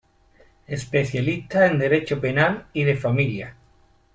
Especialista en Derecho Penal y de Familia.